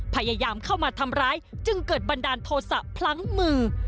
พยายามเข้ามาทำร้ายจึงเกิดบันดาลโทษะพลั้งมือ